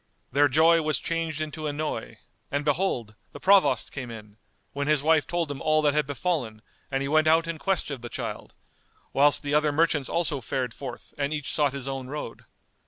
Their joy was changed into annoy, and behold, the Provost came in, when his wife told him all that had befallen and he went out in quest of the child, whilst the other merchants also fared forth and each sought his own road.